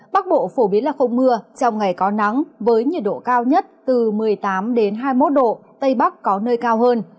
bắc bộ phổ biến là không mưa trong ngày có nắng với nhiệt độ cao nhất từ một mươi tám hai mươi một độ tây bắc có nơi cao hơn